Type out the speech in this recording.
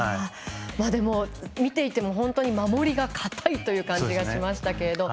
でも、見ていても本当に守りが堅い感じがしました。